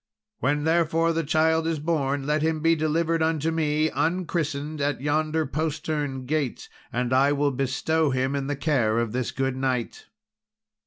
When, therefore, the child is born, let him be delivered unto me, unchristened, at yonder postern gate, and I will bestow him in the care of this good knight."